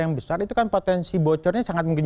yang besar itu kan potensi bocornya sangat mungkin